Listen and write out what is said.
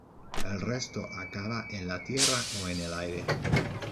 El resto acaba en la tierra o en el aire.